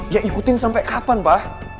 ya ikutin sampai kapan bah